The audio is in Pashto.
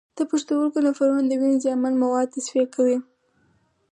د پښتورګو نفرونونه د وینې زیانمن مواد تصفیه کوي.